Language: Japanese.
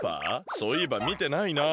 そういえばみてないなあ。